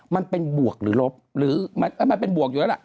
มันเป็นบวกหรือลบมันเป็นบวกอยู่นั่นแหละ